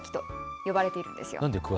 呼ばれているんですよね。